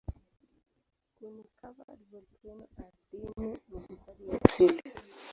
Kuni-covered volkeno ardhini ni hifadhi ya asili.